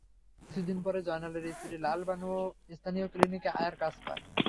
কিছুদিন পরে জয়নালের স্ত্রী লাল বানুও স্থানীয় ক্লিনিকে আয়ার কাজ পায়।